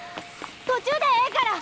途中でええから。